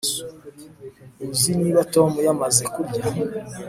Uzi niba Tom yamaze kurya